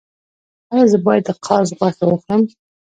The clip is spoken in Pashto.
ایا زه باید د قاز غوښه وخورم؟